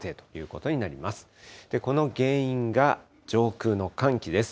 この原因が上空の寒気です。